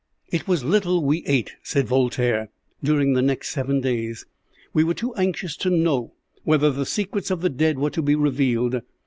"It was little we ate," said Voltaire, "during the next seven days. We were too anxious to know whether the secrets of the dead were to be revealed.